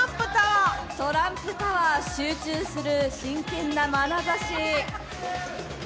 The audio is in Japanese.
「トランプタワー」、集中する真剣なまなざし。